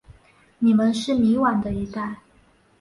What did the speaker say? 你们是迷惘的一代。